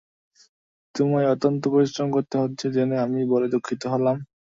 তোমায় অত্যন্ত পরিশ্রম করতে হচ্ছে জেনে আমি বড়ই দুঃখিত হলাম।